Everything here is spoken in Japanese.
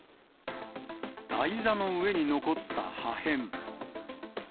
台座の上に残った破片。